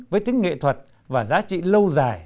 với tính nghệ thuật và giá trị lâu dài